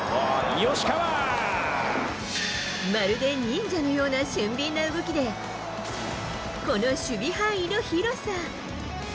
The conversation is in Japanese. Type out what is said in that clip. まるで忍者のような俊敏な動きで、この守備範囲の広さ。